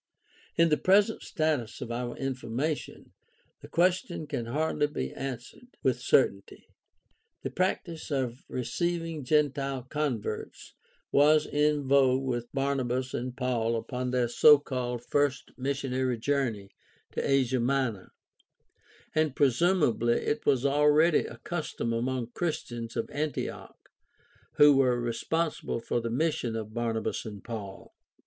In the present status of our information the question can hardly be answered with cer tainty. The practice of receiving gentile converts was in vogue with Barnabas and Paul upon their so called first missionary journey to Asia Minor, and presumably it was already a custom among Christians of Antioch who were responsible for the mission of Barnabas and Paul.